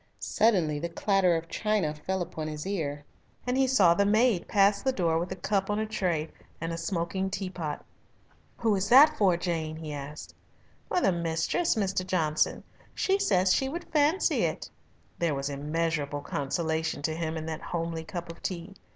Suddenly the clatter of china fell upon his ear, and he saw the maid pass the door with a cup on a tray and a smoking teapot. "Who is that for, Jane?" he asked. "For the mistress, Mr. Johnson. She says she would fancy it." There was immeasurable consolation to him in that homely cup of tea.